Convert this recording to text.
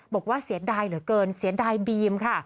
บอกว่าเสียดายเหลือเกินเสียดายบีมค่ะ